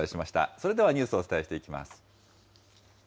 それではニュースをお伝えしていきます。